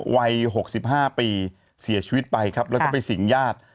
วัย๖๕ปีเสียชีวิตไปครับแล้วก็ไปสิงญาติ